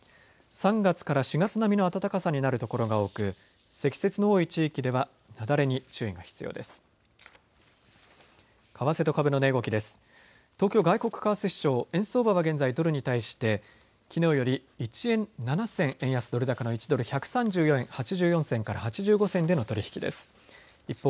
３月から４月並みの暖かさになる所が多く積雪の多い地域では雪崩に注意が必要です。